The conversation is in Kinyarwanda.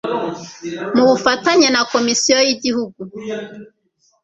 mu bufatanye na komisiyo y igihugu